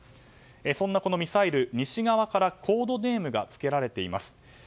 そんなミサイル、西側からコードネームがつけられています。